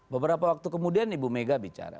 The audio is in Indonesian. beberapa waktu kemudian ibu mega bicara